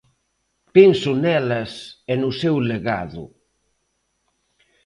Penso nelas e no seu legado.